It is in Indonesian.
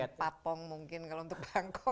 ya ada patpong mungkin kalau untuk bangkok